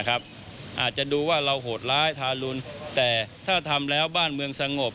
อาจจะดูว่าเราโหดร้ายทารุนแต่ถ้าทำแล้วบ้านเมืองสงบ